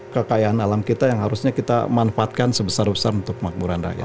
kekayaan alam kita yang harusnya kita manfaatkan sebesar besar untuk kemakmuran rakyat